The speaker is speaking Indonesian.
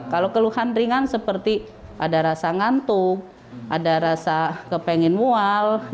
kalau keluhan ringan seperti ada rasa ngantuk ada rasa kepengen mual